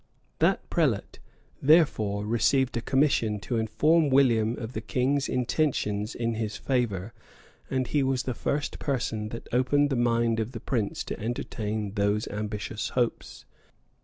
That prelate, therefore, received a commission to inform William of the king's intentions in his favor; and he was the first person that opened the mind of the prince to entertain those ambitious hopes.